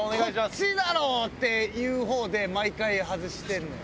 こっちだろっていう方で毎回外してるのよ。